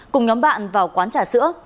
cùng nhóm bạn vào quán trà sữa